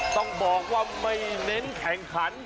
ต้องบอกว่าไม่เน้นแข่งขัน